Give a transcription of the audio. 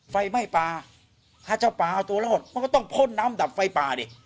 ไฟไหม้ป่าถ้าเจ้าปลาเอาตัวรอดมันก็ต้องพ่นน้ำดับไฟป่าดิ